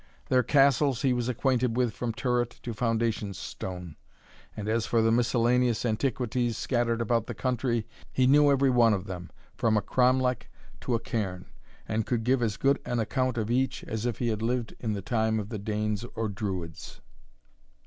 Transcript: Their castles he was acquainted with from turret to foundation stone; and as for the miscellaneous antiquities scattered about the country, he knew every one of them, from a cromlech to a cairn, and could give as good an account of each as if he had lived in the time of the Danes or Druids.